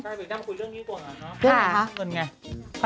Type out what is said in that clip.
พี่บอสมาคุยเรื่องนี้ก่อน